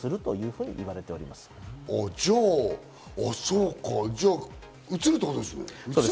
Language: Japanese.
そうか、じゃあうつるってことですね。